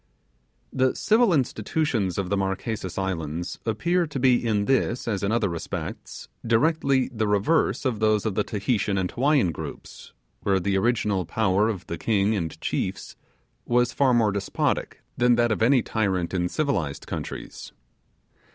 The civil institutions of the Marquesas Islands appear to be in this, as in other respects, directly the reverse of those of the Tahitian and Hawaiian groups, where the original power of the king and chiefs was far more despotic than that of any tyrant in civilized countries.